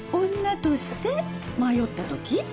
女として迷ったとき？